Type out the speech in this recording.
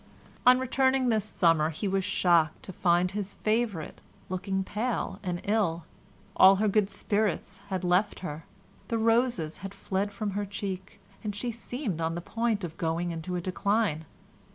On returning this midsummer he was shocked to find his favourite looking pale and ill. All her good spirits had left her, the roses had fled from her cheek, and she seemed on the point of going into a decline.